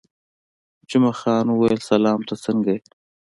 جمعه خان وویل: سلام، ته څنګه یې؟